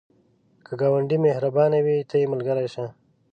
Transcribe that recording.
که ګاونډی مهربانه وي، ته یې ملګری شه